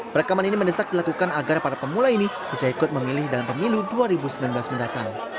perekaman ini mendesak dilakukan agar para pemula ini bisa ikut memilih dalam pemilu dua ribu sembilan belas mendatang